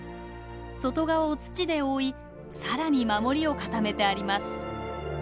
外側を土で覆い更に守りを固めてあります。